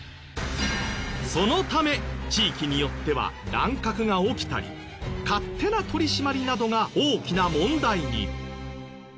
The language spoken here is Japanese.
そのため地域によっては乱獲が起きたり勝手な取り締まりなどが大きな問題に。